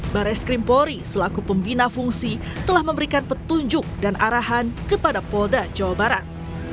bares krimpori selaku pembina fungsi telah memberikan petunjuk dan arahan kepada polda jawa barat